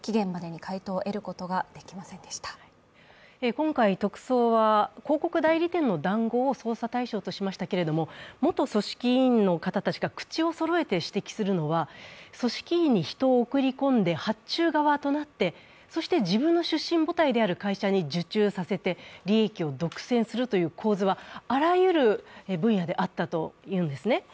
今回、特捜は広告代理店の談合を捜査対象としましたけれども、元組織委員の方たちが口をそろえて指摘するのは、組織委に人を送り込んで、発注側となって、自分の出身母体である会社に受注させて、利益を独占するという構図はあらゆる分野であったというんですね。